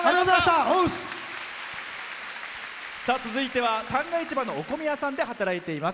続いては旦過市場のお米屋さんで働いています。